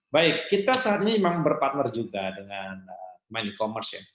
baik kita saat ini memang berpartner juga dengan main e commerce ya